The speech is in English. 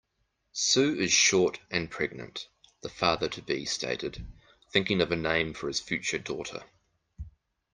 "Sue is short and pregnant", the father-to-be stated, thinking of a name for his future daughter.